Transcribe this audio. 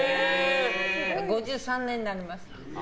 ５３年になります。